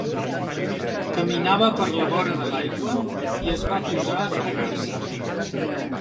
Caminava per la vora de l'aigua i es va posar a fregar-se.